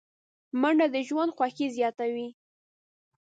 منډه د ژوند خوښي زیاتوي